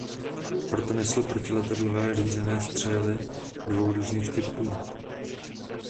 Proto nesl protiletadlové řízené střely dvou různých typů.